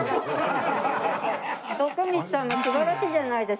徳光さんも素晴らしいじゃないですか